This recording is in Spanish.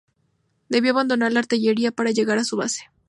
Debió abandonar la artillería para llegar a su base.